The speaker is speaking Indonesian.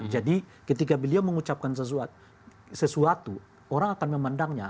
jadi ketika beliau mengucapkan sesuatu orang akan memandangnya